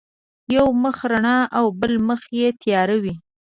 یو مخ رڼا او بل مخ یې تیار وي.